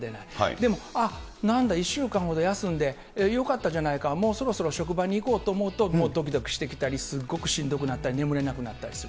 でも、あっ、なんだ、１週間ほど休んで、よかったじゃないか、もうそろそろ職場に行こうと思うと、もうどきどきしてきたり、すごくしんどくなってきたり、眠れなくなったりする。